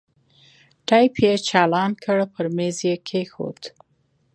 ټېپ يې چالان کړ پر ميز يې کښېښود.